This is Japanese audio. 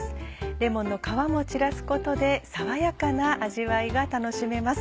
レモンの皮も散らすことで爽やかな味わいが楽しめます。